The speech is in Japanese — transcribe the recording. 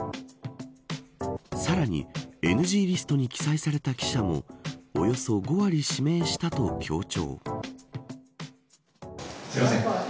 さらにＮＧリストに記載された記者もおよそ５割、指名したと強調。